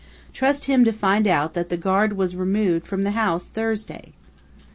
Trust him to find out that the guard was removed from the house Thursday!"